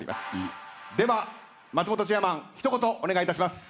では松本チェアマン一言お願いいたします。